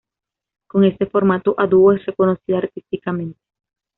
Con este formato a dúo es reconocida artísticamente.